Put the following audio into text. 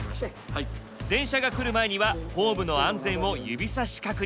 電車が来る前にはホームの安全を指さし確認。